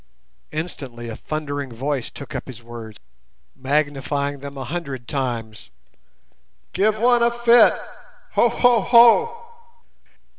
Instantly a thundering voice took up his words, magnifying them a hundred times. "_Give one a fit—Ho! ho!